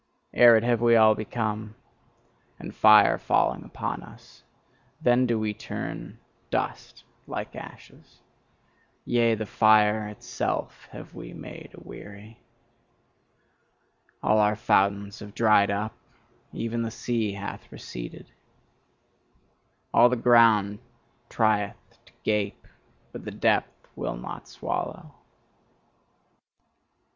Arid have we all become; and fire falling upon us, then do we turn dust like ashes: yea, the fire itself have we made aweary. All our fountains have dried up, even the sea hath receded. All the ground trieth to gape, but the depth will not swallow!